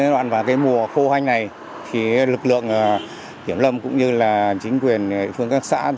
đoạn vào mùa khô hanh này lực lượng kiểm lâm cũng như chính quyền phương các xã